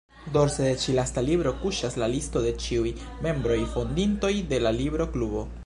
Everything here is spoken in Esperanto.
Dorse de ĉi-lasta libro kuŝas la listo de ĉiuj membroj-fondintoj de la Libro-Klubo.